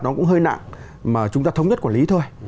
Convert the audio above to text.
nó cũng hơi nặng mà chúng ta thống nhất quản lý thôi